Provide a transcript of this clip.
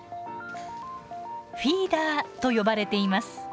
フィーダーと呼ばれています。